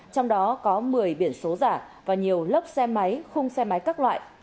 trong đó có một mươi biển số giả và nhiều lớp xe máy khung xe máy các loại